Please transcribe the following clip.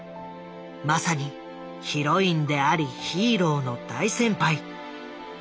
まさにヒロインでありヒーローの大先輩。